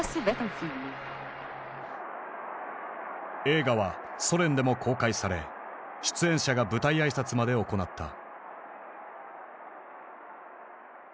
映画はソ連でも公開され出演者が舞台挨拶まで行った。